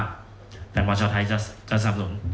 กลางมมอชาวไทยก็สำหรับ